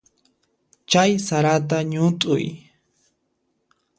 Chay sarata ñut'uy.